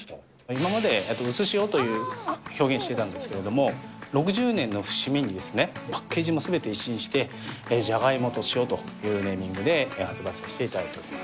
今までうすしおという表現をしていたんですけれども、６０年の節目にですね、パッケージもすべて一新して、じゃがいもと塩というネーミングで発売させていただいております。